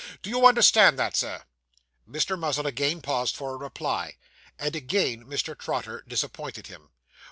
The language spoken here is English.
Do you understand that, Sir?' Mr. Muzzle again paused for a reply; and again Mr. Trotter disappointed him.